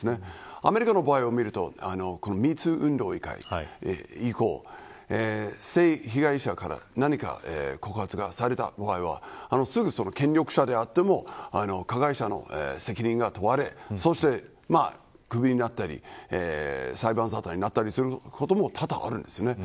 アメリカの場合はＭｅｔｏｏ運動以降性被害者から何か告発がされた場合はすぐ、権力者であっても加害者の責任が問われくびになったり裁判沙汰になったりすることも多々あるんですね。